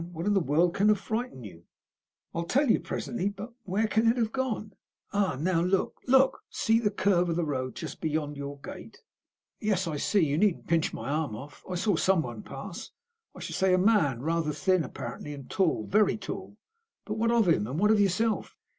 What in the world can have frightened you?" "I'll tell you presently. But where can it have gone? Ah, now look, look! See the curve of the road just beyond your gate." "Yes, I see; you needn't pinch my arm off. I saw someone pass. I should say a man, rather thin, apparently, and tall, very tall. But what of him? And what of yourself?